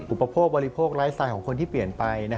อุปโภคบริโภคไลฟ์สไตล์ของคนที่เปลี่ยนไป